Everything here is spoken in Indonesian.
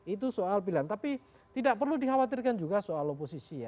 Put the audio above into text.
itu soal pilihan tapi tidak perlu dikhawatirkan juga soal oposisi ya